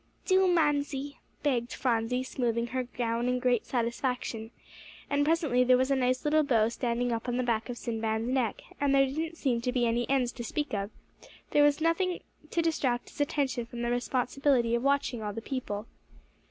"Do, Mamsie," begged Phronsie, smoothing her gown in great satisfaction. And presently there was a nice little bow standing up on the back of Sinbad's neck; and as there didn't seem to be any ends to speak of, there was nothing to distract his attention from the responsibility of watching all the people.